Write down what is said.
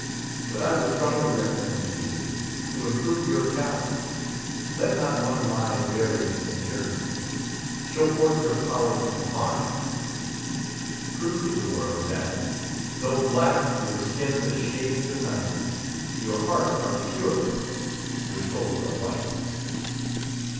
But I would strongly recommend to Vfni to improve your talents; let not one lie buried in tin* I'jirth. Show forth your powers of mind. Prove to tin? world that Thonzh black yonr skins as shades of ni^ht, YourTiearts are piu e, your souls are white.